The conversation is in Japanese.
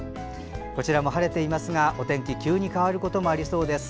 こちらも晴れていますがお天気、急に変わることもありそうです。